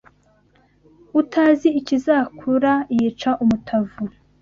Utazi ikizakura yica umutavu